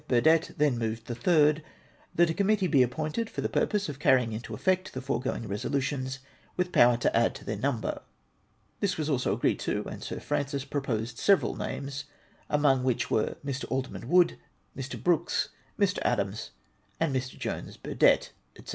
Burdett then moved the third :—" That a Committee be appointed for the purpose of carry ing into effect the foregoing resolutions, with power to add to their number."" This was also agreed to, and Sir Francis proposed several names, among which were ]Mr. Alderman Wood, ]Mr. Brooks, Mr. Adams, and Mr. Jones Burdett, &c.